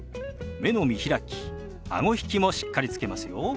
目の見開きあご引きもしっかりつけますよ。